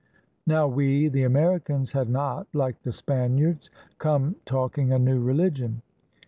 Now we, the Americans, had not, like the Spaniards, come talking a new religion.